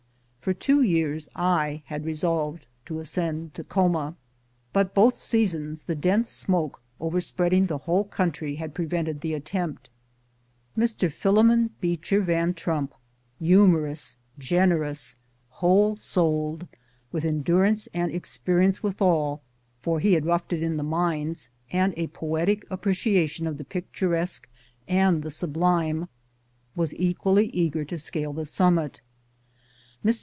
For two years I had resolved to ascend Takhoma, but both seasons the dense smoke overspreading the whole country had prevented the attempt. Mr. rhilo mon Beecher Van Trump, humorous, generous, whole souled, with endurance and experience withal, for he had roughed it in the mines, and a poetic appreciation of the picturesque and the sublime, was equally eager to scale the summit. Mr.